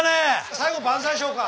最後万歳しようか。